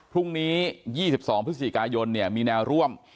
พรุ่งนี้๒๒พฤศจิกายนมีแนวร่วม